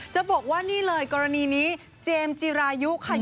จะบอกว่านี่เลยกรณีนี้เจมส์จิรายุค่ะ